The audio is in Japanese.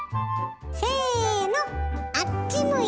せのあっち向いてホイ！